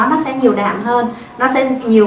nó sẽ nhiều đạm hơn nó sẽ nhiều